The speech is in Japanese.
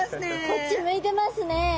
こっち向いてますね。